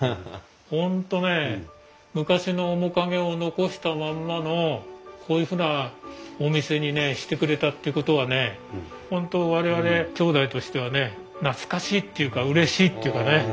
本当ね昔の面影を残したまんまのこういうふうなお店にしてくれたっていうことはね本当我々兄弟としてはね懐かしいっていうかうれしいっていうかね。